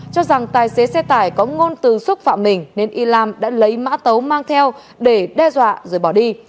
cho rằng tài xế xe tải có ngôn từ xúc phạm mình nên y lam đã lấy mã tấu mang theo để đe dọa rồi bỏ đi